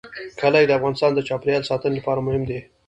کلي د افغانستان د چاپیریال ساتنې لپاره مهم دي.